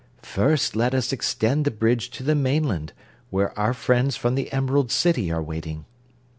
"First let us extend the bridge to the mainland, where our friends from the Emerald City are waiting."